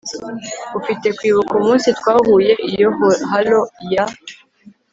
Ufite kwibuka umunsi twahuye iyo halo ya